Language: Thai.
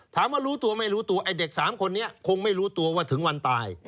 รู้ตัวไม่รู้ตัวไอ้เด็ก๓คนนี้คงไม่รู้ตัวว่าถึงวันตาย